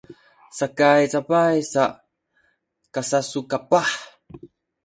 sakay cabay sa kasasukapah